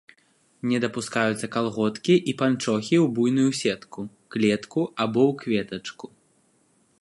Не дапускаюцца калготкі і панчохі ў буйную сетку, клетку або ў кветачку.